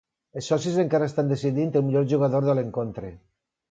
Els socis encara estan decidint el millor jugador de l'encontre.